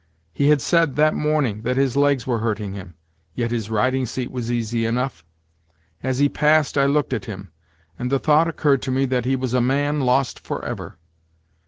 He had said, that morning, that his legs were hurting him, yet his riding seat was easy enough. As he passed I looked at him, and the thought occurred to me that he was a man lost for ever.